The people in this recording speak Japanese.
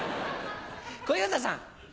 小遊三さん。